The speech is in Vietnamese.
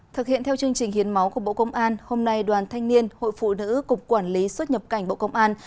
thực hiện theo chương trình hiến máu của bộ công an hôm nay đoàn thanh niên hội phụ nữ cục quản lý xuất nhập cảnh bộ công an